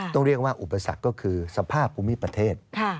ต้องเรียกว่าอุปสรรคก็คือสภาพภูมิประเทศ